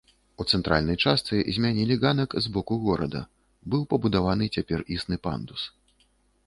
У цэнтральнай частцы змянілі ганак з боку горада, быў пабудаваны цяпер існы пандус.